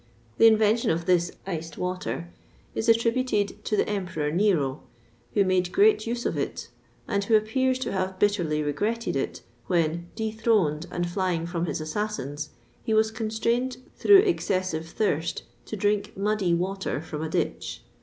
The invention of this iced water is attributed to the Emperor Nero, who made great use of it; and who appears to have bitterly regretted it when, dethroned and flying from his assassins, he was constrained through excessive thirst to drink muddy water from a ditch.